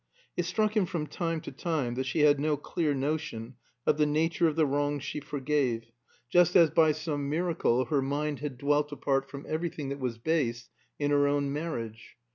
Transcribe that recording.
It struck him from time to time that she had no clear notion of the nature of the wrongs she forgave, just as by some miracle her mind had dwelt apart from everything that was base in her own marriage.